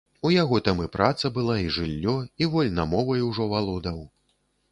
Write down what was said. У яго там і праца была, і жыллё, і вольна мовай ужо валодаў.